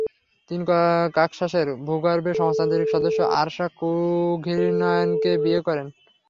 তিনি ককেশাসের ভূগর্ভে সমাজতান্ত্রিক সদস্য আরশাক কুর্ঘিনিয়ানকে বিয়ে করেন।